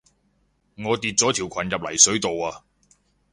我跌咗條裙入泥水度啊